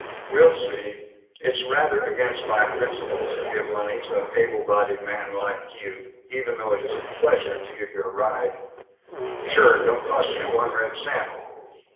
"We'll see. It's rather against my principles to give money to an able bodied man like you, even though it is a pleasure to give you a ride " "Sure! Don't cost you one red cent!"